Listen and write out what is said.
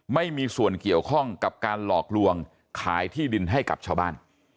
ไม่มีส่วนเกี่ยวข้องกับการหลอกลวงขายที่ดินให้กับชาวบ้าน